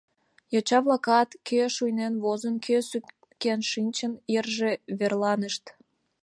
Йоча-влакат, кӧ шуйнен возын, кӧ сукен шинчын, йырже верланышт.